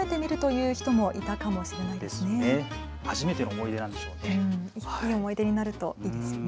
いい思い出になるといいですね。